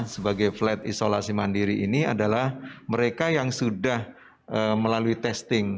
sebagai flat isolasi mandiri ini adalah mereka yang sudah melalui testing